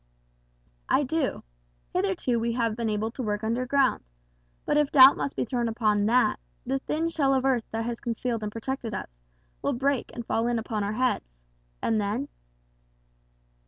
"I do. Hitherto we have been able to work underground; but if doubt must be thrown upon that, the thin shell of earth that has concealed and protected us, will break and fall in upon our heads. And then?"